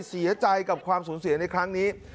เสียใจกับความสูญเสียในครั้งนี้